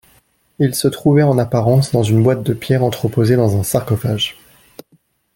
Il se trouvait en apparence dans une boîte de pierre entreposée dans un sarcophage.